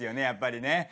やっぱりね。